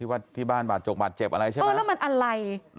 เอ้าบ้านบัดจบบัดเจ็บอะไรใช่ปะแล้วมันอะไร